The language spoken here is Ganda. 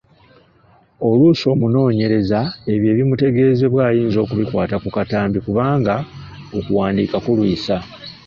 Oluusi omunoonyereza ebyo ebimutegeezebwa ayinza okubikwata ku katambi kubanga okuwandiika kulwisa.